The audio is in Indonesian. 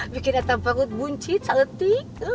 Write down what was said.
bikin atap perut buncit seletik